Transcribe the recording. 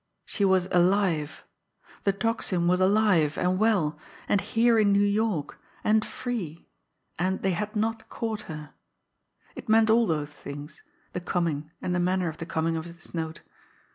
She was alive. The Tocsin was alive and well and here in New York and free and they had not caught her. It meant all those things, the coming and the manner of the coming of this note.